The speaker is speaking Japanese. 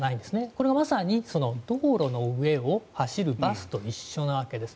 これがまさに道路の上を走るバスと一緒なわけです。